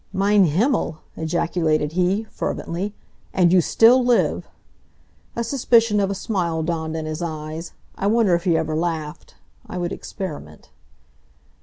"Mein Himmel!" ejaculated he, fervently, "And you still live!" A suspicion of a smile dawned in his eyes. I wondered if he ever laughed. I would experiment.